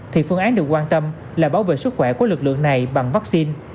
thì phương án được quan tâm là bảo vệ sức khỏe của lực lượng này bằng vaccine